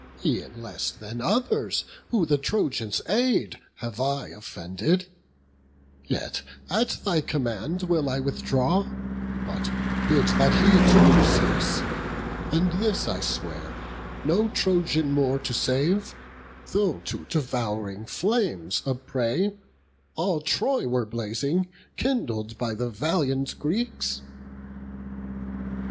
E'en less than others who the Trojans aid, Have I offended; yet at thy command Will I withdraw; but bid that he too cease; And this I swear, no Trojan more to save, Though to devouring flames a prey, all Troy Were blazing, kindled by the valiant Greeks."